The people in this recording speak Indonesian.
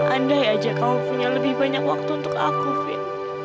andai aja kau punya lebih banyak waktu untuk aku fin